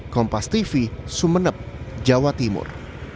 kompas tv sumeneb jawa timur